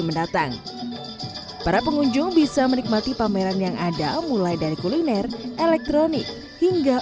mendatang para pengunjung bisa menikmati pameran yang ada mulai dari kuliner elektronik hingga